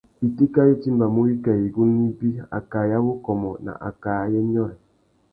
Itéka i timbamú wikā igunú ibi: akā ya wukômô na akā ayê nyôrê.